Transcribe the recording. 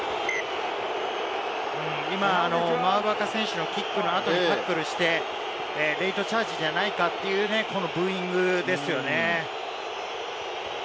今、モウヴァカ選手のキックのあとにタックルして、レイトチャージじゃないかというブーイングですよね。